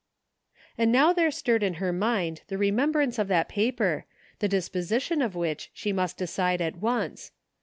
And now there stirred in her mind the remembrance of that paper, the disposition of which she must decide at once.